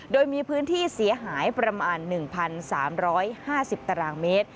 โดยมีพื้นที่เสียหายประมาณ๑๓๕๐ตารางเมตร